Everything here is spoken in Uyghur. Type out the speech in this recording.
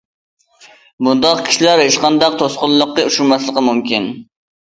بۇنداق كىشىلەر ھېچقانداق توسقۇنلۇققا ئۇچرىماسلىقى مۇمكىن.